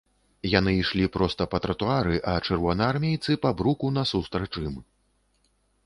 Яны ішлі проста па тратуары, а чырвонаармейцы па бруку насустрач ім.